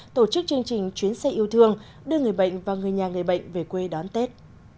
tổ chức chương trình chuyến xe yêu thương đưa người bệnh và người nhà người bệnh về quê đón tết